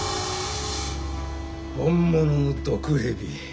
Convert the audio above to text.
本物の毒蛇。